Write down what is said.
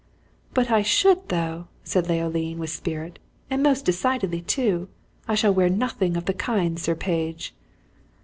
"But I should, though!" said Leoline, with spirit "and most decidedly, too! I shall wear nothing of the kind, Sir Page!"